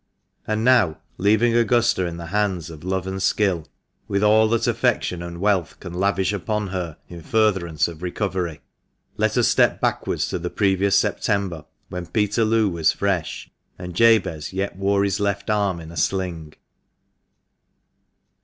And now, leaving Augusta in the hands of love and skill, with all that affection and wealth can lavish upon her in furtherance of recovery, let us step backwards to the previous September, when Peterloo was fresh, and Jabez yet wore his left arm in a sling.